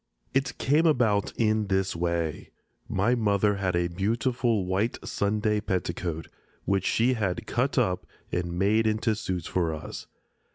It came about in this way. My mother had a beautiful white Sunday petticoat, which she had cut up and made into suits for us.